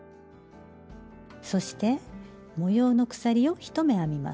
そして模様の鎖を１目編みます。